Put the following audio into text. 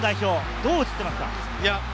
どう映っていますか？